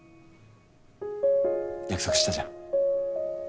約束したじゃん。